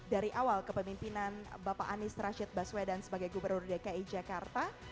dari awal kepemimpinan bapak anies rashid baswedan sebagai gubernur dki jakarta